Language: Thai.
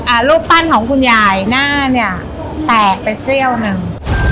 รูปปั้นของคุณยายหน้าเนี้ยแตกไปเสี้ยวหนึ่ง